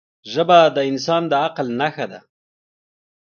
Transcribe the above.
ژبه د انسان د عقل نښه ده